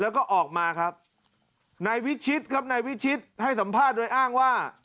แล้วก็ออกมาครับนายวิชิตครับนายวิชิตให้สัมภาษณ์โดยอ้างว่า